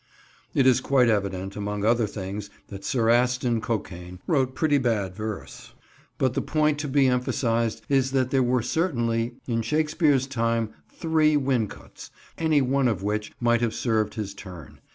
It is quite evident, among other things, that Sir Aston Cokain wrote pretty bad verse, but the point to be emphasised is that there were certainly in Shakespeare's time three "Wincots," any one of which might have served his turn.